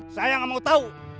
saya nggak mau tahu